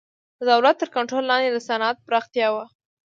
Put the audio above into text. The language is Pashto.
د دولت تر کنټرول لاندې د صنعت پراختیا وه